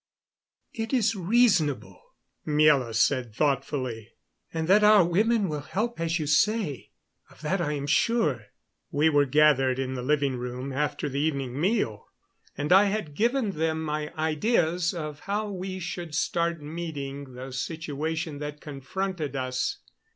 "It is reasonable," Miela said thoughtfully. "And that our women will help as you say of that I am sure." We were gathered in the living room after the evening meal, and I had given them my ideas of how we should start meeting the situation that confronted us.